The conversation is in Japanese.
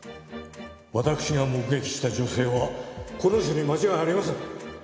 私が目撃した女性はこの人に間違いありません。